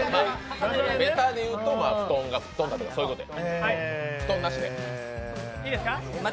ベタで言うと布団がふっとんだとかそういうことや。